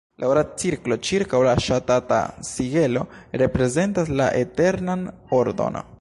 La ora cirklo ĉirkaŭ la ŝatata sigelo reprezentas la eternan ordon.